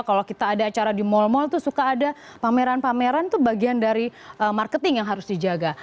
kalau kita ada acara di mal mal itu suka ada pameran pameran tuh bagian dari marketing yang harus dijaga